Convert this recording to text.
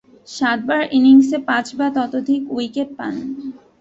সাতবার ইনিংসে পাঁচ বা ততোধিক উইকেট পান।